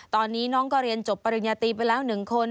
ตอนนี้น้องก็เรียนจบปริญญาตรีไปแล้ว๑คน